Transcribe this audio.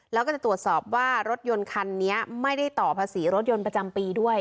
แล้วก็จะตรวจสอบว่ารถยนต์คันนี้ไม่ได้ต่อภาษีรถยนต์ประจำปีด้วย